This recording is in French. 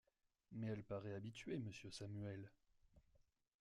Mais elle paraît habitée, monsieur Samuel!